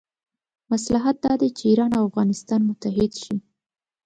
مصلحت دا دی چې ایران او افغانستان متحد شي.